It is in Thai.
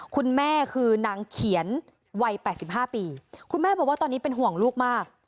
คุณแม่คือนางเขียนวัย๘๕ปีคุณแม่บอกว่าตอนนี้เป็นห่วงลูกมาก